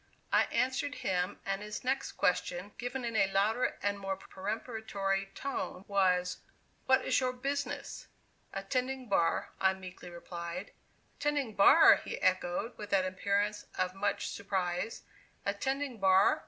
I answered him, and his next question, given in a louder and more peremptory tone, was: "What is your business?" "Attending bar," I meekly replied. "Attending bar!" he echoed, with an appearance of much surprise; "Attending bar!